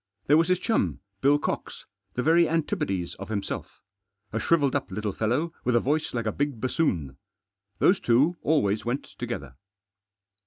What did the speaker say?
There was his chum, Bill Cox, the very antipodes of himself. A shrivelled up little fellow, with a voice like a big bassoon. Those two always went together.